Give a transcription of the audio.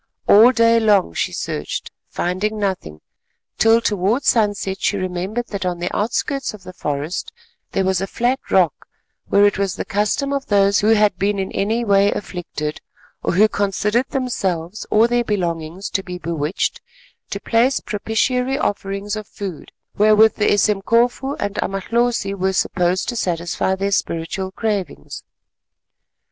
All day long she searched, finding nothing, till towards sunset she remembered that on the outskirts of the forest there was a flat rock where it was the custom of those who had been in any way afflicted, or who considered themselves or their belongings to be bewitched, to place propitiatory offerings of food wherewith the Esemkofu and Amalhosi were supposed to satisfy their spiritual cravings.